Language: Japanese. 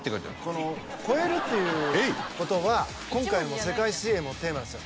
この超えるっていう事は今回の世界水泳のテーマなんですよ。